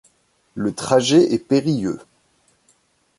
Le trajet est périlleux.